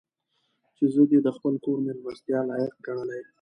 چې زه دې د خپل کور مېلمستیا لایق ګڼلی.